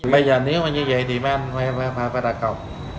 bây giờ nếu như vậy thì mấy anh phải đặt cọc